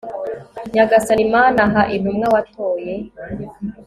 nyagasani mana, ha intumwa watoye